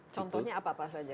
contohnya apa apa saja